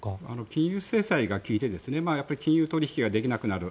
金融政策が効いて金融取引ができなくなる。